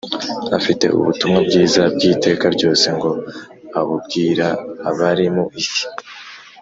afite ubutumwa bwiza bw‟iteka ryose ngo abubwira abari mu isi